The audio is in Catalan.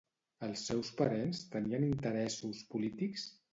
Els seus parents tenien interessos polítics?